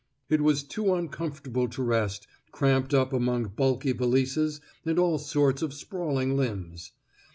It was too uncomfortable to rest, cramped up among bulky valises and all sorts of sprawling limbs!